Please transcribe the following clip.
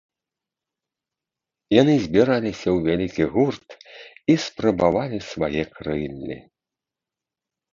Яны збіраліся ў вялікі гурт і спрабавалі свае крыллі.